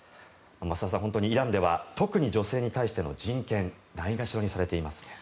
増田さん、本当にイランでは特に女性に対しての人権ないがしろにされています。